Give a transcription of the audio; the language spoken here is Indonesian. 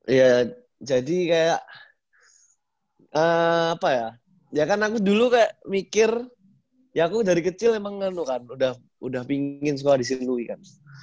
iya jadi kayak apa ya kan aku dulu kayak mikir ya aku dari kecil emang ngeluh kan udah pingin sekolah di sini kan